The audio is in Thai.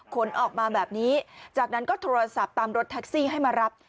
ขนออกมาแบบนี้จากนั้นก็โทรศัพท์ตามรถแท็กซี่ให้มารับ